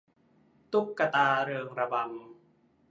ตุ๊กตาเริงระบำ